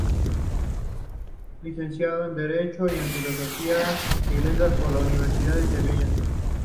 Licenciado en Derecho y en Filosofía y Letras por la Universidad de Sevilla.